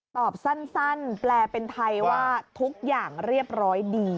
ตอบสั้นแปลเป็นไทยว่าทุกอย่างเรียบร้อยดี